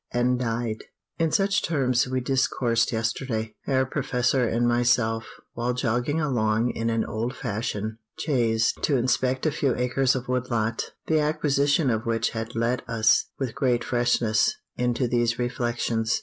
_" and died! In such terms we discoursed yesterday, Herr Professor and myself, while jogging along in an old fashioned chaise to inspect a few acres of wood lot, the acquisition of which had let us, with great freshness, into these reflections.